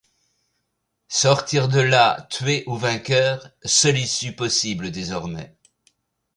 Sortir de là tués ou vainqueurs, seule issue possible désormais.